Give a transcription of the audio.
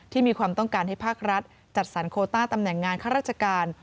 มีความต้องการให้ภาครัฐจัดสรรโคต้าตำแหน่งงานข้าราชการ